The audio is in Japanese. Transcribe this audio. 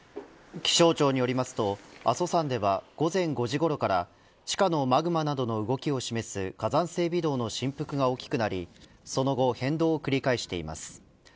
気象庁によりますと阿蘇山では午前５時ごろから地下のマグマなどの動きを示す火山性微動の振幅が大きくなりその後、変動を繰り返しています。